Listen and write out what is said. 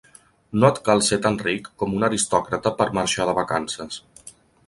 No et cal ser tan ric com un aristòcrata per marxar de vacances.